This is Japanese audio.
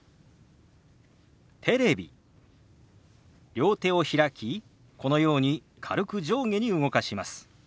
両手を開きこのように軽く上下に動かします。